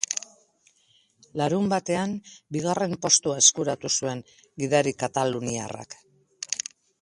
Larunbatean, bigarren postua eskuratu zuen gidari kataluniarrak.